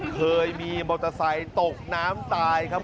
เคยมีมอเตอร์ไซค์ตกน้ำตายครับ